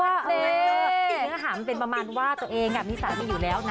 คือเนื้อหามันเป็นประมาณว่าตัวเองมีสามีอยู่แล้วนะ